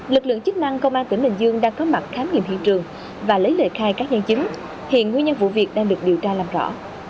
lực lượng chức năng công an tỉnh bình dương đang có mặt khám nghiệm hiện trường và lấy lời khai các nhân chứng hiện nguyên nhân vụ việc đang được điều tra làm rõ